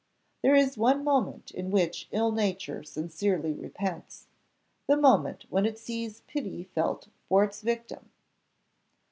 There is one moment in which ill nature sincerely repents the moment when it sees pity felt for its victim.